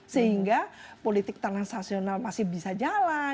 sehingga politik transaksional masih bisa jalan